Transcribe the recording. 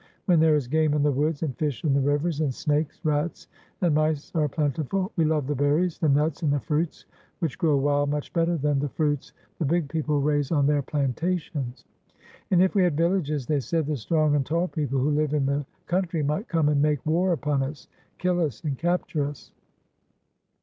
when there is game in the woods, and fish in the rivers, and snakes, rats, and mice are plentiful? We love the berries, the nuts, and the fruits which grow wild much better than the fruits the big people raise on their plantations. And if we had villages," they said, "the strong and tall people who live in the country might come and make war upon us, kill us, and capture us."